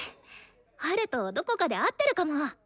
ハルとどこかで会ってるかも。